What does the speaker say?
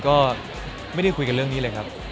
ก็ไม่ได้คุยกันเรื่องนี้เลยครับ